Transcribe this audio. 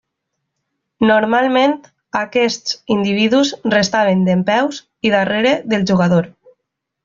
Normalment, aquests individus restaven dempeus i darrere del jugador.